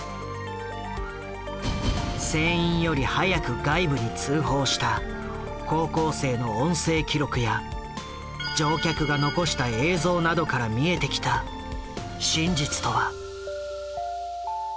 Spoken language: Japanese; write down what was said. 船員より早く外部に通報した高校生の音声記録や乗客が残した映像などから見えてきた真実とは？